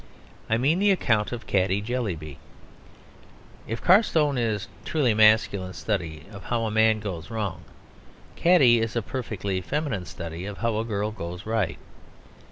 I mean the account of Caddy Jellyby. If Carstone is a truly masculine study of how a man goes wrong, Caddy is a perfectly feminine study of how a girl goes right.